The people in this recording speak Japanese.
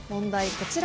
こちら。